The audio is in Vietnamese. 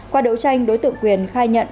qua đấu tranh đối tượng quyền khai nhận